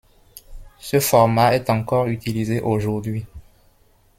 Ce format est encore utilisé aujourd'hui.